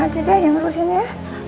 biarin aja deh yang urusin ya